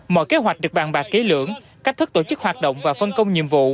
mọi kế hoạch được bàn bạc ký lưỡng cách thức tổ chức hoạt động và phân công nhiệm vụ